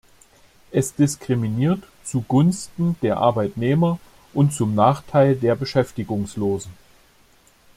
Es diskriminiert zugunsten der Arbeitnehmer und zum Nachteil der Beschäftigungslosen.